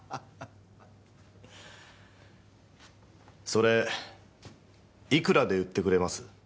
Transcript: それいくらで売ってくれます？